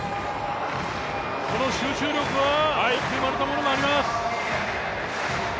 この集中力は持って生まれたものがあります。